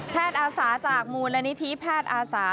อาสาจากมูลนิธิแพทย์อาสา